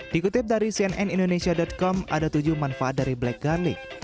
dikutip dari cnn indonesia com ada tujuh manfaat dari black garlic